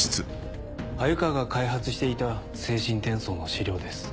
鮎川が開発していた精神転送の資料です。